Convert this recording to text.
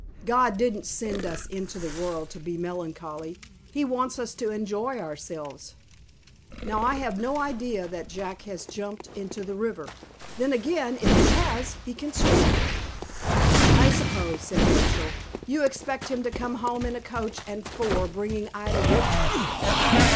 God didn't send us into the world to be melancholy. He wants us to enjoy ourselves. Now I have no idea that Jack has jumped into the river. Then again, if he has, he can swim." "I suppose," said Rachel, "you expect him to come home in a coach and four, bringing Ida with him."